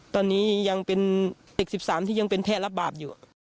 ตอนนี้ยังเป็นเด็ก๑๓ที่ยังเป็นแพทย์รับบาปอยู่